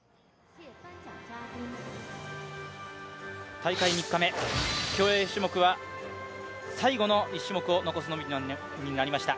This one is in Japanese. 大会３日目、競泳種目は最後の１種目を残すのみとなりました。